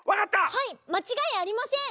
はいまちがいありません！